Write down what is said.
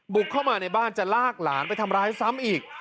บุกเข้ามาในบ้านจะลากหลานไปทำร้ายซ้ำอีก